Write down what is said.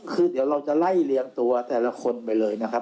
คือเดี๋ยวเราจะไล่เลี้ยงตัวแต่ละคนไปเลยนะครับ